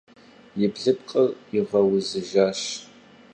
И блыпкъыр игъэузыжащ.